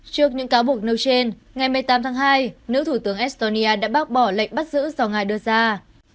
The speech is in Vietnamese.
trước những cáo buộc nêu trên ngày một mươi tám tháng hai nữ thủ tướng estonia đã bác bỏ lệnh bắt giữ do ngài đưa ra